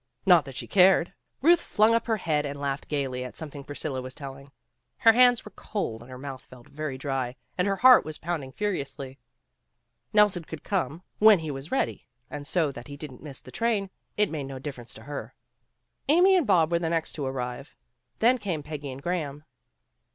Not that she cared. Ruth flung up her head and laughed gaily at something Priscilla was telling. Her hands were cold and her mouth felt very dry, and her heart was pounding furiously. Nelson could come when he was 178 PEGGY RAYMOND'S WAY ready, and so that he didn't miss the train, it made no difference to her. Amy and Bob were next to arrive. Then came Peggy and Graham.